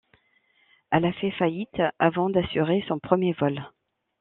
Elle a fait faillite avant d’assurer son premier vol.